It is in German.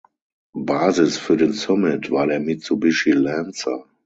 Basis für den Summit war der Mitsubishi Lancer.